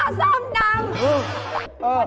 ดีว่าซ่อมกำลังอยากจะทำกับข้าวเป็น